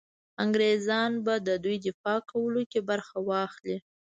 انګرېزان به د دوی دفاع کولو کې برخه واخلي.